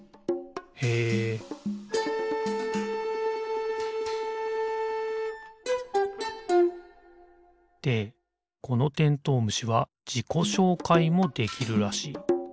へえでこのてんとう虫はじこしょうかいもできるらしい。